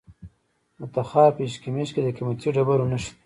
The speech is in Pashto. د تخار په اشکمش کې د قیمتي ډبرو نښې دي.